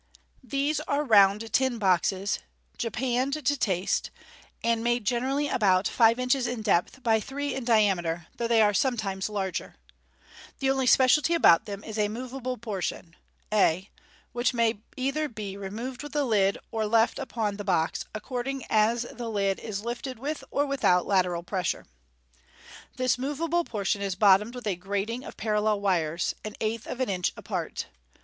— These are round tin boxes, japanned to taste, and made generally about five inches in depth by three in dia meter, though they are sometimes larger. (See Fig. T63.) The only speciality about them is a moveable portion a, which may either be removed with the lid or left upon the box, according as the lid is lifted with or without lateral pressure. This moveable portion is bottomed with a grating of parallel wires, an eighth of an inch apart.